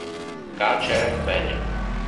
Kč méně.